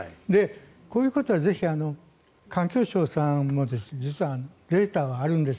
こういうことはぜひ環境省さんも実はデータがあるんです。